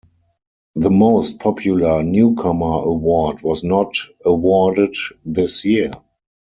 The Most Popular Newcomer award was not awarded this year.